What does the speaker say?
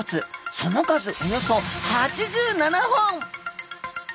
その数およそ８７本。